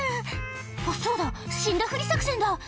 「あっそうだ死んだふり作戦だ」